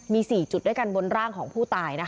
มี๔จุดด้วยกันบนร่างของผู้ตาย